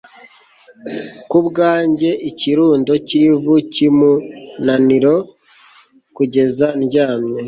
kubwanjye ikirundo cyivu ryumunaniro, kugeza ndyamye